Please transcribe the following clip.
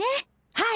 はい！